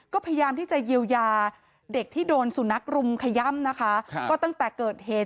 ก็พยายามที่จะเยียวยาเด็กที่โดนสุนัขรุมขย่ำนะคะครับก็ตั้งแต่เกิดเหตุ